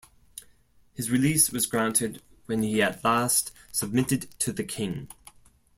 His release was granted when he at last submitted to the King.